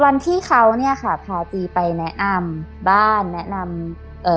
วันที่เขาเนี้ยค่ะพาตีไปแนะนำบ้านแนะนำเอ่อ